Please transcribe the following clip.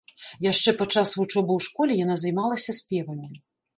Яшчэ падчас вучобы ў школе яна займалася спевамі.